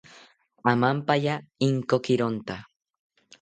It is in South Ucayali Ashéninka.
Amampaya Inkokironta